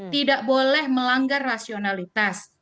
tidak boleh melanggar rasionalitas